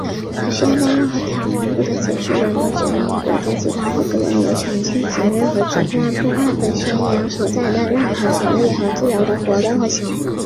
本宣言的任何条文,不得解释为默许任何国家、集团或个人有权进行任何旨在破坏本宣言所载的任何权利和自由的活动或行为。